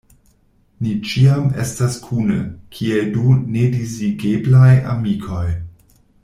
Ni ĉiam estas kune, kiel du nedisigeblaj amikoj.